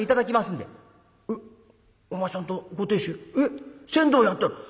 お前さんのご亭主船頭をやってる？